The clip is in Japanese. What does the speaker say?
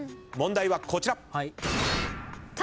問題はこちら。